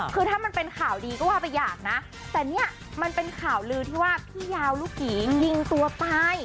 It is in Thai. คือถ้ามันเป็นข่าวดีก็ว่าไปอยากนะแต่เนี่ยมันเป็นข่าวลือที่ว่าพี่ยาวลูกหยียิงตัวตาย